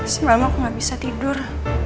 semalam aku gak bisa tidur